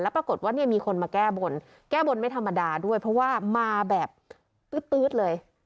ปรากฏว่าเนี่ยมีคนมาแก้บนแก้บนไม่ธรรมดาด้วยเพราะว่ามาแบบตื๊ดเลย